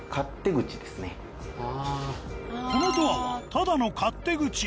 このドアはただの勝手口。